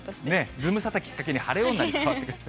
ズムサタをきっかけに、晴れ女に変わっていく。